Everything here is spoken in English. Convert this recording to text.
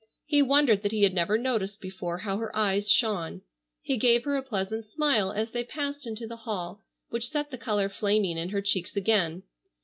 He wondered that he had never noticed before how her eyes shone. He gave her a pleasant smile as they passed into the hall, which set the color flaming in her cheeks again.